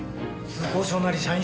通行証なり社員